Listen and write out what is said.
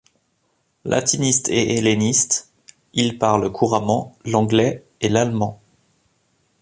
Latiniste et helléniste, il parle couramment l'anglais et l'allemand.